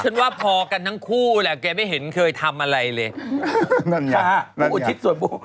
ชั้นว่าพอกันทั้งคู่แหละแกไม่เห็นเคยทำอะไรเลย